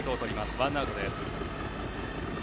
ワンアウトです。